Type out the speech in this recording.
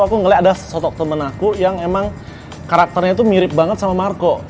aku ngeliat ada sotok temen aku yang emang karakternya tuh mirip banget sama marco